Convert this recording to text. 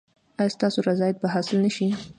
ایا ستاسو رضایت به حاصل نه شي؟